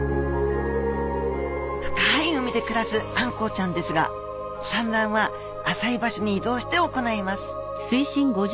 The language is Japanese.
深い海で暮らすあんこうちゃんですが産卵は浅い場所に移動して行います。